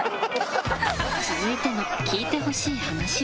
続いての聞いてほしい話は。